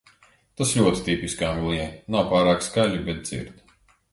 Tas ļoti tipiski Anglijai. Nav pārāk skaļi, bet dzird.